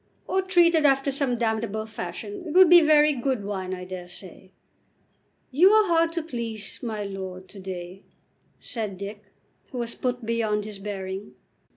"Or treated after some other damnable fashion, it would be very good wine, I dare say." "You are hard to please, my lord, to day," said Dick, who was put beyond his bearing.